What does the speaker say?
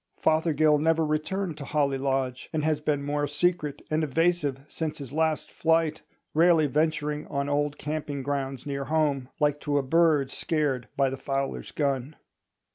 Fothergill never returned to Holly Lodge, and has been more secret and evasive since his last flight, rarely venturing on old camping grounds near home, like to a bird scared by the fowler's gun.